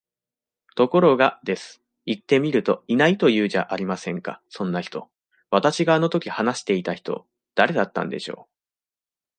ところが、です。行ってみると居ないと言うじゃありませんか、そんな人。私があの時話していた人、誰だったんでしょう？